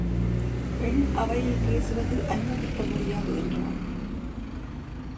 பெண் அவையில் பேசுவது அனுமதிக்க முடியாது என்றான்.